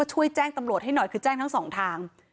ช่วยแจ้งตำรวจให้หน่อยคือแจ้งทั้งสองทาง